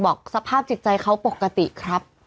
สภาพจิตใจเขาปกติครับ